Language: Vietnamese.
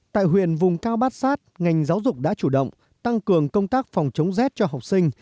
tại huyện vùng cao bát sát ngành giáo dục đã chủ động tăng cường công tác phòng chống rét cho học sinh